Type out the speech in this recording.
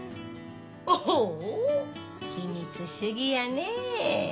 お秘密主義やね。